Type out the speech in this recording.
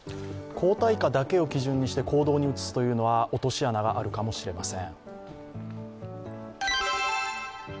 抗体価だけを基準にして行動に移すというのは落とし穴があるかもしれません。